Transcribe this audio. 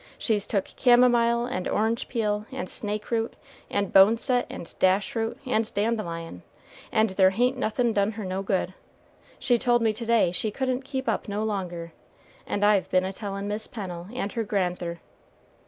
She's took camomile and orange peel, and snake root and boneset, and dash root and dandelion and there hain't nothin' done her no good. She told me to day she couldn't keep up no longer, and I've been a tellin' Mis' Pennel and her grand'ther.